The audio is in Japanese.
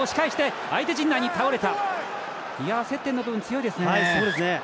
接点の部分、強いですね。